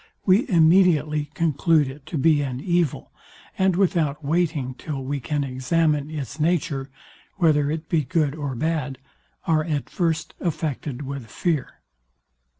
we immediately conclude it to be an evil, and without waiting till we can examine its nature, whether it be good or bad, are at first affected with fear.